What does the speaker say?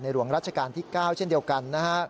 หลวงรัชกาลที่๙เช่นเดียวกันนะครับ